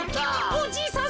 おじいさん